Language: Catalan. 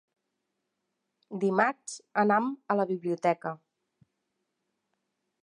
Dimarts anam a la biblioteca.